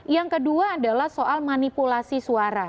yang kedua adalah soal manipulasi suara